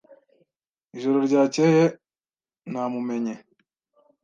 Ijoro ryakeye namumenye.